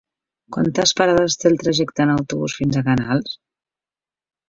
Quantes parades té el trajecte en autobús fins a Canals?